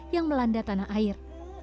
yang melanda tanah air